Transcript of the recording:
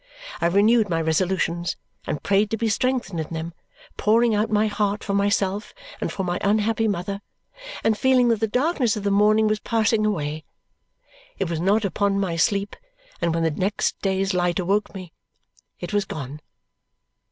I renewed my resolutions and prayed to be strengthened in them, pouring out my heart for myself and for my unhappy mother and feeling that the darkness of the morning was passing away. It was not upon my sleep; and when the next day's light awoke me, it was gone.